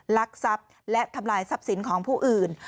ลักทรัพย์และทำลายทรัพย์สินของผู้อื่น